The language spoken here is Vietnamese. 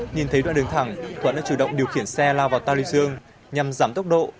nhìn thấy đoạn đường thẳng thuận đã chủ động điều khiển xe lao vào tali dương nhằm giảm tốc độ